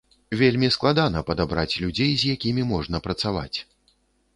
Вельмі складана падабраць людзей, з якімі можна працаваць.